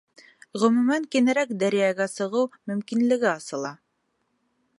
Ғөмүмән, киңерәк даирәгә сығыу мөмкинлеге асыла.